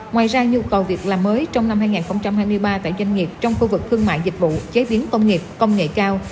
ngoài ra nhu cầu việc làm mới trong năm hai nghìn hai mươi ba tại doanh nghiệp trong khu vực thương mại dịch vụ chế biến công nghiệp công nghệ cao